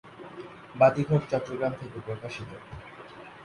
বাতিঘর চট্টগ্রাম থেকে প্রকাশিত।